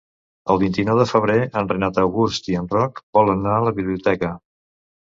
El vint-i-nou de febrer en Renat August i en Roc volen anar a la biblioteca.